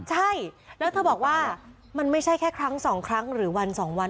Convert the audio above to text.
ใช่แล้วเธอบอกว่ามันไม่ใช่แค่ครั้ง๒ครั้งหรือวัน๒วัน